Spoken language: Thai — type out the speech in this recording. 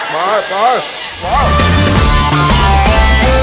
มาเชียงแล้ว